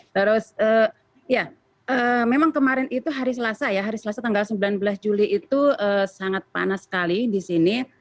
terus ya memang kemarin itu hari selasa ya hari selasa tanggal sembilan belas juli itu sangat panas sekali di sini